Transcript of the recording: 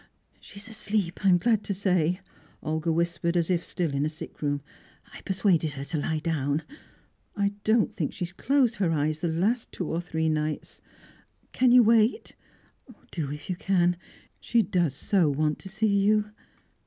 "She's asleep, I'm glad to say," Olga whispered, as if still in a sickroom. "I persuaded her to lie down. I don't think she has closed her eyes the last two or three nights. Can you wait? Oh, do, if you can! She does so want to see you."